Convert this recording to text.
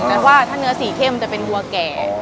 ว่าถ้าเนื้อสีเข้มจะเป็นบัวแก่